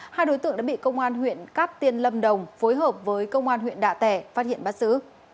hai đối tượng đã bị công an huyện cát tiên lâm đồng phối hợp với công an huyện đạ tẻ phát hiện bắt giữ